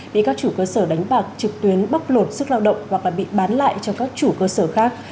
để các chủ cơ sở đánh bạc trực tuyến bóc lột sức lao động hoặc bị bán lại cho các chủ cơ sở khác